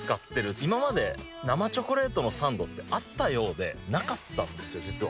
今まで生チョコレートのサンドってあったようでなかったんですよ、実は。